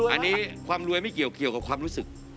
อันนี้ความรวยไม่เกี่ยวกับความรู้สึก